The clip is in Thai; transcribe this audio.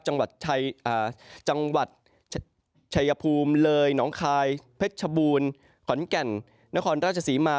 จังหวัดชายภูมิเลยหนองคายเพชรชบูรณ์ขอนแก่นนครราชศรีมา